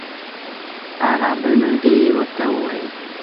هغه بل ملګري یې ورته وویل.